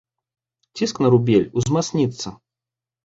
Ціск на рубель узмацніцца.